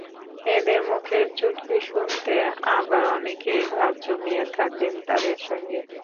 এদের মুখের চুটকি শুনতে আবার অনেকেই ভাব জমিয়ে থাকেন তাদের সঙ্গে।